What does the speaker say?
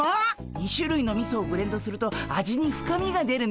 ２しゅるいのみそをブレンドすると味に深みが出るんです。